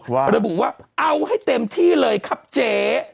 ระบุว่าเอาให้เต็มที่เลยครับเจ๊